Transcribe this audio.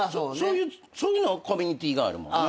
そういうコミュニティーがあるもんね。